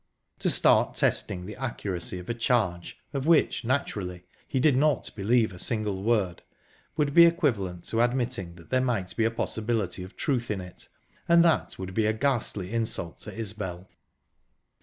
To start testing the accuracy of a charge, of which, naturally, he did not believe a single word, would be equivalent to admitting that there might be a possibility of truth in it, and that would be a ghastly insult to Isbel...